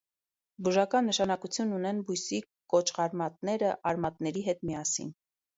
Բուժական նշանակություն ունեն բույսի կոճղարմատները, արմատների հետ միասին։